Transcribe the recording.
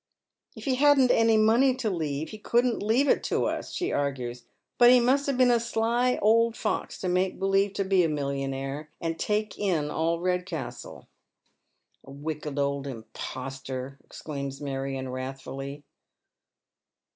" If he hadn't any money to leave, he couldn't leave it to us," she argues, " but he must have been a sly old fox to make believe to be a millionaire, and take in all Redcastle." " A wicked old impostor," exclaims Marion, wTathfully.